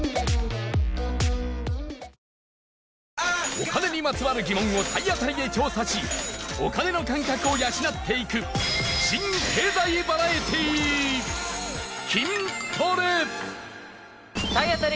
お金にまつわる疑問を体当たりで調査しお金の感覚を養っていく新経済バラエティー体当たり